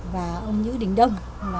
và ông nhữ đình đông